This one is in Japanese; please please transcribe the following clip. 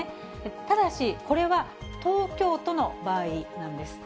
ただしこれは、東京都の場合なんです。